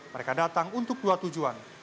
mereka datang untuk dua tujuan